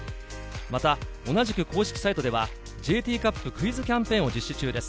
また同じく、公式サイトではＪＴカップクイズキャンペーンを実施中です。